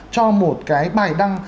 cho một cái bài đăng